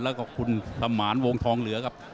และคุณสมรรค์วงภองเหลือกับ